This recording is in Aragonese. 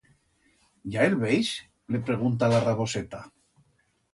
Ya el veis? Le pregunta la raboseta.